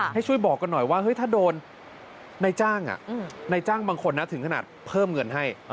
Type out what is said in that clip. ให้ช่วยบอกกันหน่อยว่าถ้าโดนในจ้างนายจ้างบางคนถึงขนาดเพิ่มเงินให้